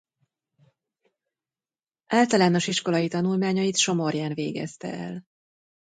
Általános iskolai tanulmányait Somorján végezte el.